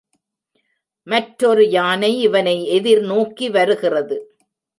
ம்ற்றொரு யானை இவனை எதிர்நோக்கி வருகிறது.